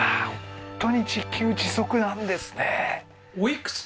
本当に自給自足なんですね